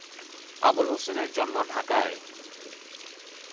আবুল হোসেনের জন্ম ঢাকায়।